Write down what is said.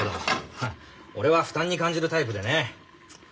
フッ俺は負担に感じるタイプでね。